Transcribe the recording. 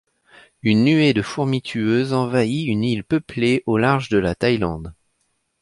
Une nuée de fourmis tueuses envahie une île peuplée au large de la Thaïlande.